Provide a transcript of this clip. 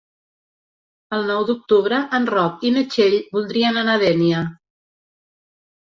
El nou d'octubre en Roc i na Txell voldrien anar a Dénia.